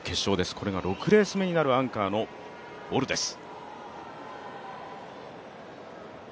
これが６レース目になるアンカーのボルです。